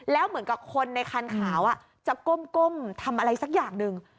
แล้วเหมือนกับคนในคันขาวจะก้มทำอะไรสักอย่างหนึ่ง